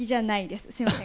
すみません。